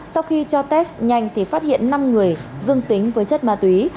sau khi cho test nhanh thì phát hiện năm người dương tính với chất ma túy